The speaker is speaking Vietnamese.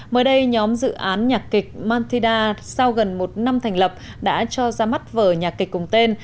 mới đây nhóm dự án nhạc kịch martinda sau gần một năm thành lập đã cho ra mắt vở nhạc kịch cùng tên